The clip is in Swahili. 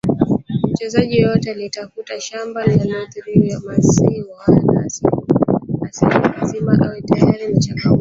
Mchezaji yeyote anayetafuta shamba linalotiririka maziwa na asali lazima awe tayari kwa changamoto ngumu